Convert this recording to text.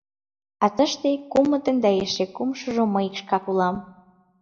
А тыште — кумытын да эше кумшыжо мый шкак улам.